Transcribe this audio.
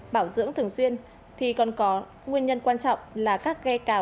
bảo dưỡng thường xuyên thì còn có nguyên nhân quan trọng là các ghe cào